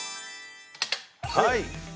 はい